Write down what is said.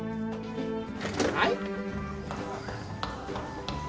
はい？